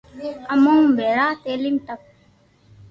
امو مون ڀيرا، تعليم تڪ